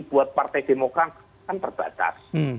buat partai demokrat kan terbatas